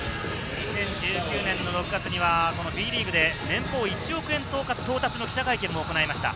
２０１９年の６月にはＢリーグで年俸１億円到達の記者会見も行いました。